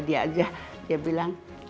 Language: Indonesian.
dia aja dia bilang